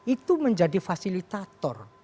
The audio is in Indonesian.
itu menjadi fasilitator